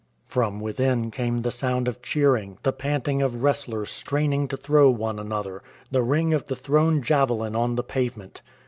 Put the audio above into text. From within came the sound of cheering, the pant ing of wrestlers straining to throw one another, the ring of the thrown javelin on the pavement.